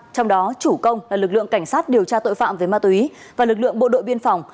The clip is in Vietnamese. trong đó chủ công là lực lượng cảnh sát điều tra tội phạm về ma túy và lực lượng bộ đội biên phòng